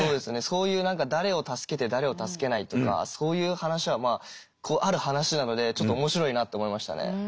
そういう何か誰を助けて誰を助けないとかそういう話はある話なのでちょっと面白いなと思いましたね。